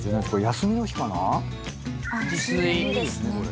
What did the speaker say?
休みの日ですね。